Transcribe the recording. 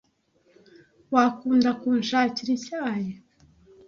Wakunda kunshakira icyayi?